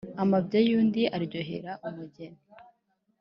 Amabya y’undi aryohera umugeri.